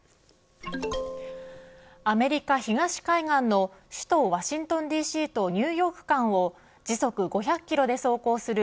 アメリカ東海岸の首都ワシントンＤＣとニューヨーク間を時速５００キロで走行する